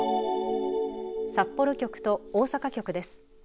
札幌局と大阪局です。